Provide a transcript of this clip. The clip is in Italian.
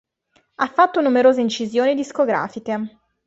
Ha fatto numerose incisioni discografiche.